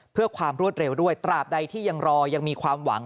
เพื่อความรวดเร็วด้วยตราบใดที่ยังรอยังมีความหวัง